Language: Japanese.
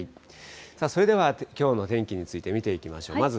さあ、それではきょうの天気について見ていきましょう。